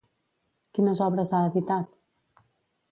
Quines obres ha editat?